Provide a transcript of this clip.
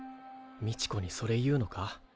みちこにそれ言うのか？